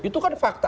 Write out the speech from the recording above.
itu kan fakta